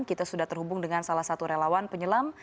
kita sudah terhubung dengan salah satu relawan penyelam